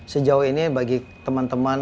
sejauh ini bagi teman teman